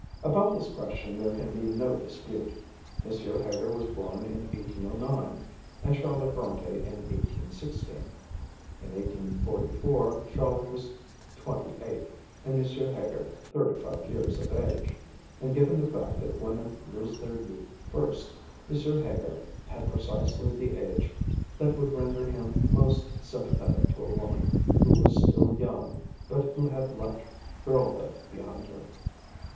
About this question there can be no dispute. M. Heger was born in 1809; and Charlotte Brontë in 1816. In 1844 Charlotte then was twenty eight, and M. Heger thirty five years of age, and given the fact that women lose their youth first, M. Heger had precisely the age that would render him most sympathetic to a woman who was still young but who had left girlhood behind her.